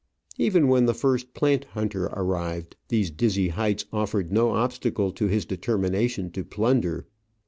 Even when the first plant hunter arrived, these dizzy heights offered no obstacle to his determination to plunder.